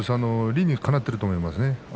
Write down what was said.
理にかなっていると思います。